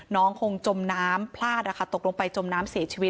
น้องคงจมน้ำพลาดตกลงไปจมน้ำเสียชีวิต